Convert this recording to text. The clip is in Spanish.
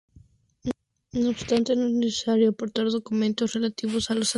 No obstante, no es necesario aportar documentos relativos a los análisis.